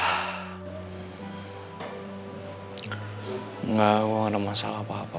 enggak gue gak ada masalah apa apa mo